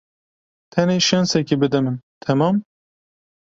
Tenê şensekê bide min, temam?